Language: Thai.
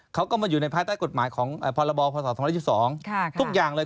เขาก็มาอยู่ในภายใต้กฎหมายของพรบพศ๒๑๒ทุกอย่างเลย